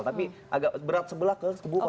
tapi agak berat sebelah ke buku satu